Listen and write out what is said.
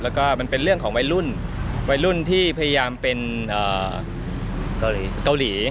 แล้วก็มันเป็นเรื่องของวัยรุ่นวัยรุ่นที่พยายามเป็นเกาหลี